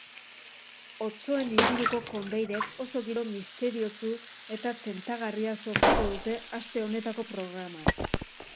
Otsoen inguruko kondairek oso giro misteriotsu eta tentagarria sortuko dute aste honetako programan.